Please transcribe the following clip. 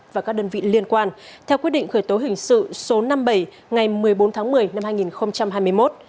và các đơn vị liên quan theo quyết định khởi tố hình sự số năm mươi bảy ngày một mươi bốn tháng một mươi năm hai nghìn hai mươi một